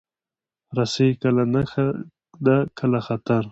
رسۍ کله نښه ده، کله خطر.